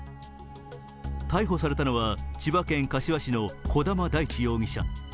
逮捕されたのは、千葉県柏市の児玉大地容疑者。